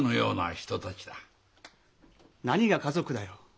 何が家族だよ。